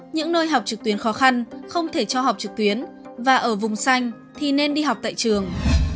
những nơi học trực tuyến khó khăn không thể cho học trực tuyến và ở vùng xanh thì nên đi học tại trường